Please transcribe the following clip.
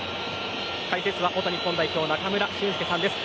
解説は元日本代表中村俊輔さんです。